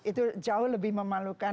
itu jauh lebih memalukan